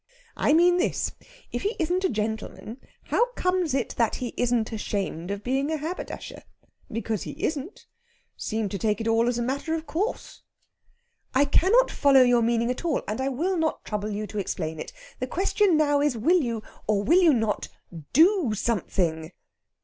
"I mean this if he isn't a gentleman, how comes it that he isn't ashamed of being a haberdasher? Because he isn't. Seemed to take it all as a matter of course." "I cannot follow your meaning at all. And I will not trouble you to explain it. The question now is will you, or will you not, do something?"